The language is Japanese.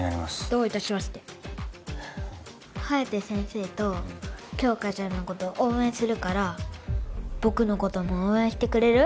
どういたしまして颯先生と杏花ちゃんのこと応援するから僕のことも応援してくれる？